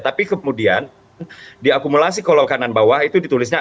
tapi kemudian diakumulasi kalau kanan bawah itu ditulisnya